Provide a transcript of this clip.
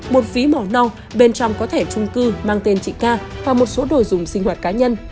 một phí màu nâu bên trong có thẻ trung cư mang tên chị ca và một số đồ dùng sinh hoạt cá nhân